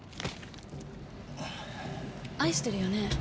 愛してるよね？